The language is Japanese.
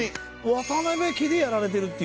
渡辺家でやられてるっていう。